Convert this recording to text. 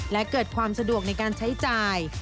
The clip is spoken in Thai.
และเกิดความสะดวกในการใช้จ่าย